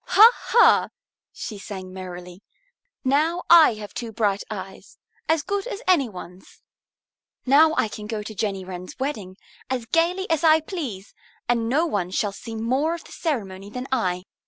"Ha, ha!" she sang merrily. "Now I have two bright eyes, as good as any one's. Now I can go to Jenny Wren's wedding as gayly as I please, and no one shall see more of the ceremony than I.